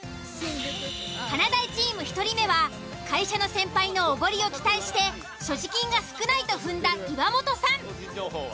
華大チーム１人目は会社の先輩のおごりを期待して所持金が少ないと踏んだ岩本さん。